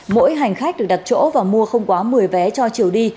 mỗi hành khách được đặt chỗ và mua không quá một mươi vé cho chiều đi